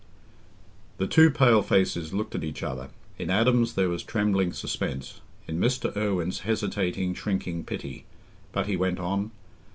The two pale faces looked at each other; in Adam's there was trembling suspense, in Mr. Irwine's hesitating, shrinking pity. But he went on.